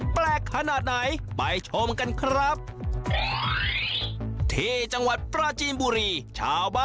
แปลกขนาดไหนไปชมกันครับ